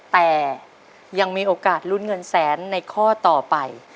แต่ยังมีโอกาสลุ้นเงินแสนในข้อต่อไป